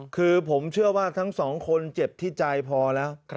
คือผมเชื่อว่าทั้งสองคนเจ็บที่ใจพอแล้ว